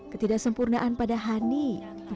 ketidaksempurnaan pada hani bukanlah kegodaan